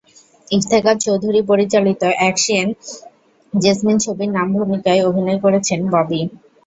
ইফতেখার চৌধুরী পরিচালিত action Jasmine ছবির নাম ভূমিকায় অভিনয় করেছেন ববি।